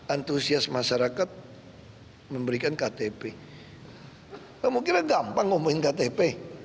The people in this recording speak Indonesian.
antusias masyarakat memberikan ktp kamu kira gampang ngomongin ktp